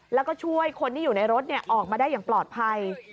แล้วก็ช่วยคนที่อยู่ในรถออกมาได้อย่างปลอดภัย